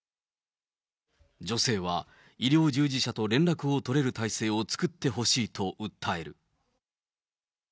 女性は医療従事者と連絡を取れる体制を作ってほしいと訴える。